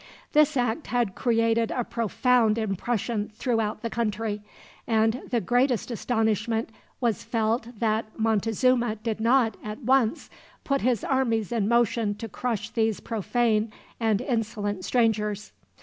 This act had created a profound impression throughout the country; and the greatest astonishment was felt that Montezuma did not, at once, put his armies in motion to crush these profane and insolent strangers.